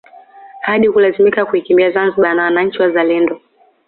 Hadi kulazimika kuikimbia Zanzibar na wananchi wazalendo